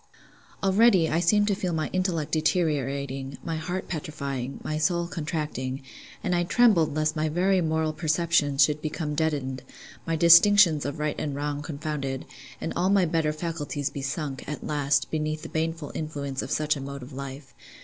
Already, I seemed to feel my intellect deteriorating, my heart petrifying, my soul contracting; and I trembled lest my very moral perceptions should become deadened, my distinctions of right and wrong confounded, and all my better faculties be sunk, at last, beneath the baneful influence of such a mode of life.